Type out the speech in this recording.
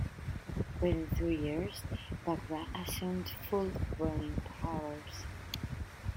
Within two years, Bagrat assumed full ruling powers.